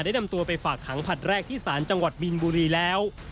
นำตัวไปฝากขังผลัดแรกที่ศาลจังหวัดมีนบุรีแล้ว